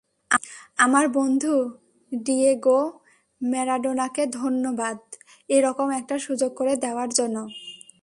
আমার বন্ধু ডিয়েগো ম্যারাডোনাকে ধন্যবাদ এরকম একটা সুযোগ করে দেওয়ার জন্য।